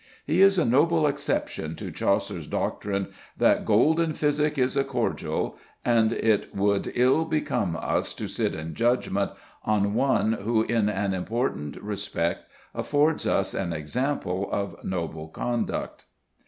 He is a noble exception to Chaucer's doctrine that "gold in physick is a cordial," and it would ill become us to sit in judgment on one who in an important respect affords us an example of noble conduct.